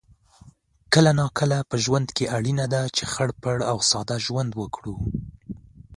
کله ناکله په ژوند کې اړینه ده چې خړ پړ او ساده ژوند وکړو